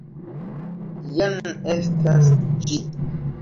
Jen estas ĝi!